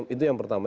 itu yang pertama